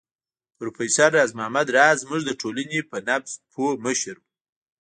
پروفېسر راز محمد راز زموږ د ټولنې په نبض پوه مشر و